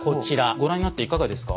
ご覧になっていかがですか？